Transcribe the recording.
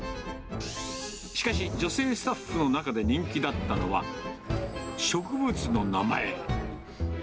しかし、女性スタッフの中で人気だったのは、植物の名前。